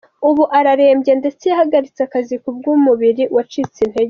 Ubu ararembye ndetse yahagaritse akazi ku bw’umubiri wacitse intege.